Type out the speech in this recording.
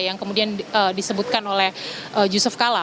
yang kemudian disebutkan oleh yusuf kala